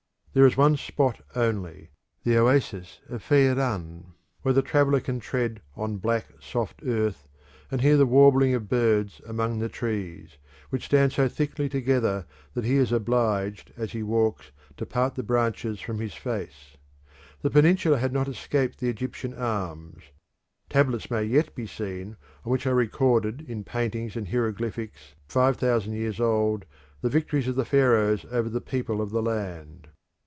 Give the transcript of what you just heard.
There is one spot only the oasis of Feiran where the traveller can tread on black, soft earth and hear the warbling of birds among the trees, which stand so thickly together that he is obliged as he walks to part the branches from his face. The peninsula had not escaped the Egyptian arms; tablets may yet be seen on which are recorded in paintings and hieroglyphics five thousand years old the victories of the Pharaohs over the people of the land.